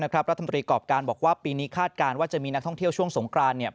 รัฐมนตรีกรอบการบอกว่าปีนี้คาดการณ์ว่าจะมีนักท่องเที่ยวช่วงสงกราน